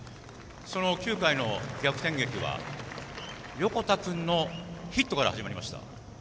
９回の逆転劇は横田君のヒットから始まりました。